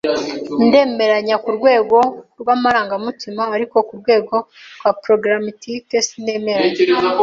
Ndemeranya kurwego rwamarangamutima, ariko kurwego rwa pragmatique sinemeranya.